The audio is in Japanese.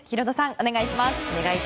お願いします。